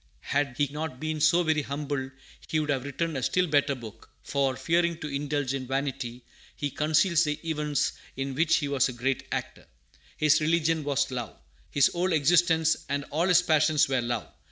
Had he not been so very humble, he would have written a still better book; for, fearing to indulge in vanity, he conceals the events in which he was a great actor. His religion was love. His whole existence and all his passions were love.